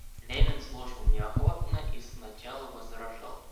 Левин слушал неохотно и сначала возражал.